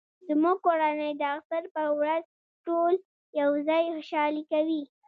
زموږ کورنۍ د اختر په ورځ ټول یو ځای خوشحالي کوي